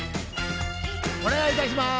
お願いいたします。